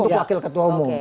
untuk wakil ketua umum